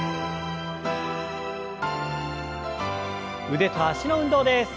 腕と脚の運動です。